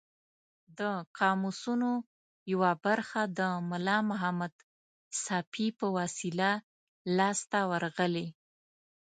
د قاموسونو یوه برخه د ملا محمد ساپي په وسیله لاس ته ورغلې.